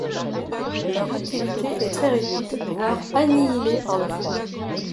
Leur activité est très réduite voire annihilée par le froid.